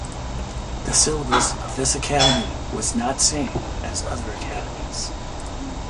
The syllabus of this academy was not same as other academies.